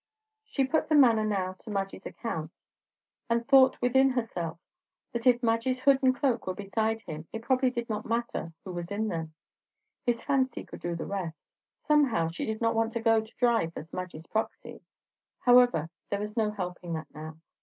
She put the manner now to Madge's account, and thought within herself that if Madge's hood and cloak were beside him it probably did not matter who was in them; his fancy could do the rest. Somehow she did not want to go to drive as Madge's proxy. However, there was no helping that now.